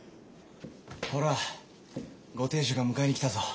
ほらご亭主が迎えに来たぞ。